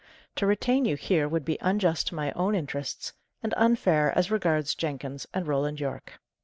To retain you here would be unjust to my own interests, and unfair as regards Jenkins and Roland Yorke."